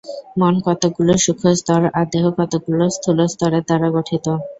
মন কতকগুলি সূক্ষ্ম স্তর আর দেহ কতকগুলি স্থূল স্তরের দ্বারা গঠিত।